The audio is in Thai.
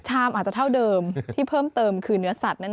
ชามอาจจะเท่าเดิมที่เพิ่มเติมคือเนื้อสัตว์นั่นเอง